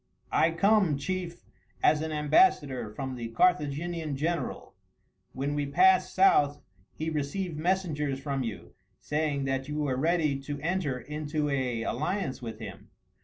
"I come, chief, as an ambassador from the Carthaginian general. When we passed south he received messengers from you, saying that you were ready to enter into an alliance with him.